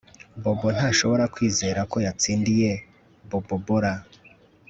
Bobo ntashobora kwizera ko yatsindiye Bobobora